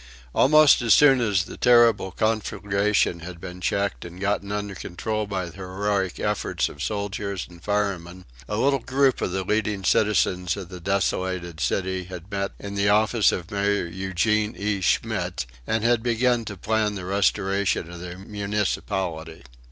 Almost as soon as the terrible conflagration had been checked and gotten under control by the heroic efforts of the soldiers and firemen, a little group of the leading citizens of the desolated city had met in the office of Mayor Eugene E. Schmitz and had begun to plan the restoration of their municipality.